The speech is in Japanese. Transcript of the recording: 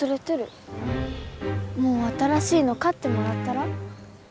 もう新しいの買ってもらったら？